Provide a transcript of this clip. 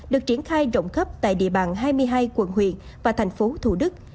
được triển khai rộng khắp tại địa bàn hai mươi hai quận huyện và thành phố thủ đức